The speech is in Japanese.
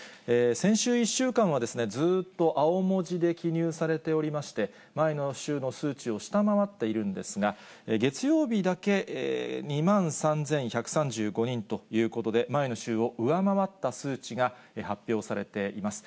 先週１週間は、ずっと青文字で記入されておりまして、前の週の数値を下回っているんですが、月曜日だけ２万３１３５人ということで、前の週を上回った数値が発表されています。